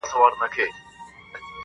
ما څوځلي د لاس په زور کي يار مات کړی دی.